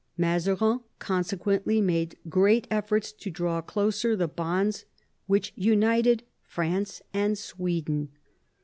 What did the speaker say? Mazarin consequently made great efforts to draw closer the honds which united France and Sweden.